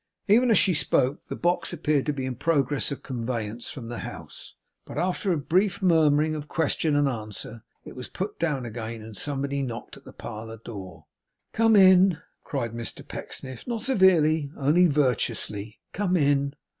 Even as she spoke, the box appeared to be in progress of conveyance from the house, but after a brief murmuring of question and answer, it was put down again, and somebody knocked at the parlour door. 'Come in!' cried Mr Pecksniff not severely; only virtuously. 'Come in!